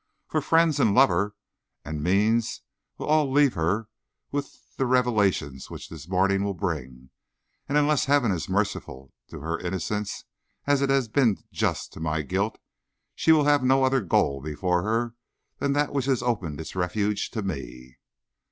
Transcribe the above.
For friends and lover and means will all leave her with the revelations which the morning will bring, and unless Heaven is merciful to her innocence as it has been just to my guilt, she will have no other goal before her than that which has opened its refuge to me.